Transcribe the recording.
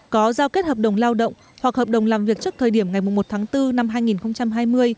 có giao kết hợp đồng lao động hoặc hợp đồng làm việc trước thời điểm ngày một tháng bốn năm hai nghìn hai mươi